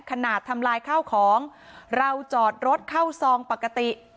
ทำลายข้าวของเราจอดรถเข้าซองปกติ